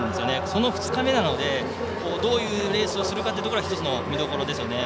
その２日目なのでどういうレースをするかってところが１つの見どころですね。